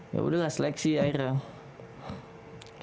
ya udah lah seleksi akhirnya